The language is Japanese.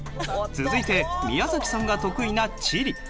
続いて宮崎さんが得意な地理。